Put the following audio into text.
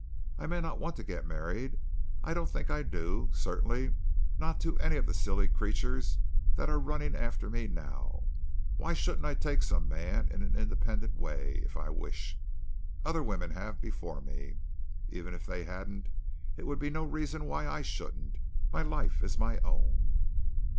I may not want to get married. I don't think I do. Certainly not to any of the silly creatures that are running after me now. Why shouldn't I take some man in an independent way, if I wish? Other women have before me. Even if they hadn't, it would be no reason why I shouldn't. My life is my own."